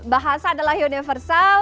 bahasa adalah universal